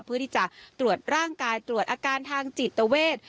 เพื่อที่จะตรวจร่างกายตรวจอาการทางจิตเวท